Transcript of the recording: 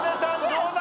どうだ？